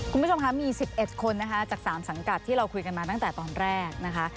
คุณผู้ชมคะมี๑๑คนนะคะจาก๓สังกัดที่เราคุยกันมาตั้งแต่ตอนแรกนะคะ